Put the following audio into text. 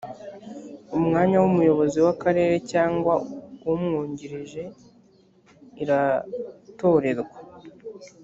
umwanya w’umuyobozi w’akarere cyangwa umwungirije iratorerwa